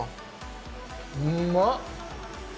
うまっ！